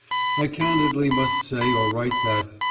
I candidly must say or write that